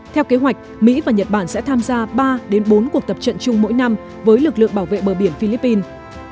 theo kế hoạch mỹ và nhật bản sẽ tham gia ba bốn cuộc tập trận chung mỗi năm với lực lượng bảo vệ bờ biển philippines